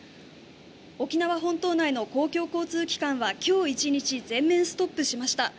沖縄本島内の公共交通機関は今日１日全面ストップしました。